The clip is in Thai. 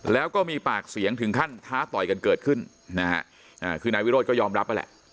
แล้วก็มีปากเสียงถึงขั้นท้าต่อยกันเกิดขึ้นนะฮะคือนายวิโรธก็ยอมรับนั่นแหละ